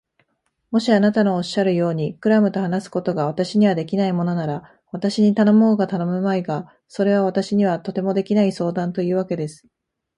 もしあなたのおっしゃるように、クラムと話すことが私にはできないものなら、私に頼もうが頼むまいが、それは私にはとてもできない相談というわけです。